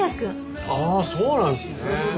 ああそうなんですね。